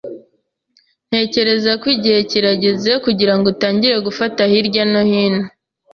Ntekereza ko igihe kirageze kugirango utangire gufasha hirya no hino.